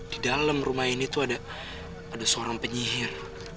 di dalam rumah ini tuh ada seorang penyihir